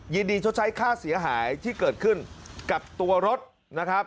ชดใช้ค่าเสียหายที่เกิดขึ้นกับตัวรถนะครับ